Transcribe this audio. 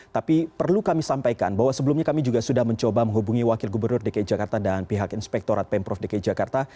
tapi perlu kami sampaikan bahwa sebelumnya kami juga sudah mencoba menghubungi wakil gubernur dki jakarta dan pihak inspektorat pemprov dki jakarta